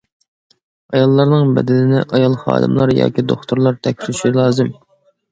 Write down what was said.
ئاياللارنىڭ بەدىنىنى ئايال خادىملار ياكى دوختۇرلار تەكشۈرۈشى لازىم.